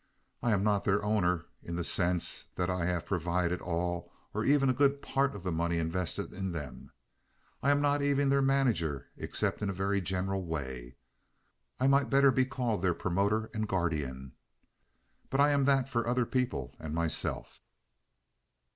I am not their owner, in the sense that I have provided all or even a good part of the money invested in them. I am not even their manager, except in a very general way. I might better be called their promoter and guardian; but I am that for other people and myself."